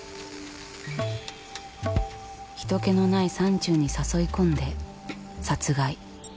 人けのない山中に誘い込んで殺害。